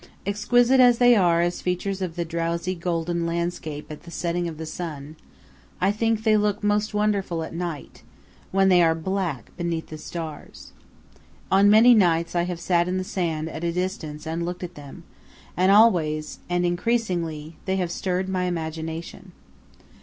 Exquisite as they are as features of the drowsy golden landscape at the setting of the sun, I think they look most wonderful at night, when they are black beneath the stars. On many nights I have sat in the sand at a distance and looked at them, and always, and increasingly, they have stirred my imagination.